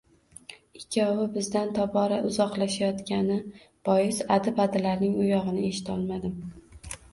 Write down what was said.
Ikkovi bizdan tobora uzoqlashayotgani bois adi-badilarning u yog‘ini eshitolmadim